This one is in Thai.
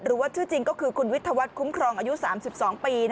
หรือว่าชื่อจริงก็คือคุณวิทยาวัฒนคุ้มครองอายุ๓๒ปี